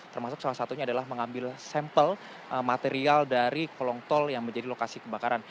termasuk salah satunya adalah mengambil sampel material dari kolong tol yang menjadi lokasi kebakaran